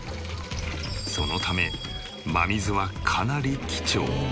そのため真水はかなり貴重。